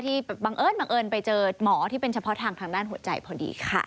บังเอิญบังเอิญไปเจอหมอที่เป็นเฉพาะทางทางด้านหัวใจพอดีค่ะ